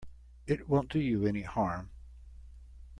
It won't do you any harm.